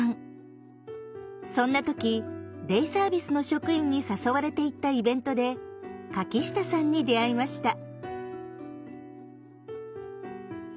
そんな時デイサービスの職員に誘われて行ったイベントで柿下さんに出会いました。